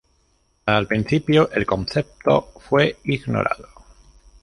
Al principio, el concepto fue ignorado.